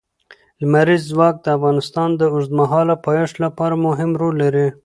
لمریز ځواک د افغانستان د اوږدمهاله پایښت لپاره مهم رول لري.